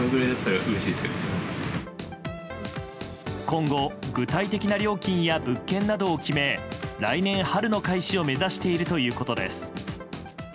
今後、具体的な料金や物件などを決め来年春の開始を目指しているということです。